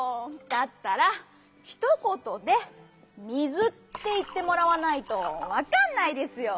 だったらひとことで「水」っていってもらわないとわかんないですよ！